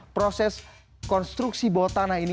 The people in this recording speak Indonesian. proses konstruksi bawah tanah ini